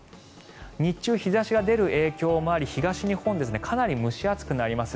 日中、日差しが出る影響もあり東日本かなり蒸し暑くなります。